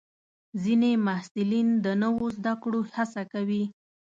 ځینې محصلین د نوو زده کړو هڅه کوي.